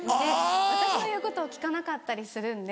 私の言うことを聞かなかったりするんで。